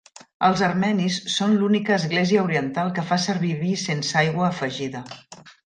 Els armenis són l'única església oriental que fa servir vi sense aigua afegida.